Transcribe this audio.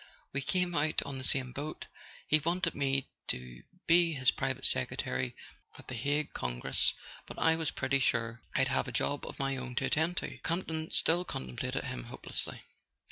We came out on the same boat: he wanted me to be his private secretary at the Hague Congress. But I was pretty sure I'd have a job of my own to attend to." Campton still contemplated him hopelessly.